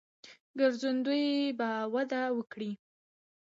ګرځندوی به وده وکړي.